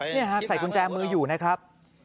นี่ฮะใส่กุญแจมืออยู่นะครับ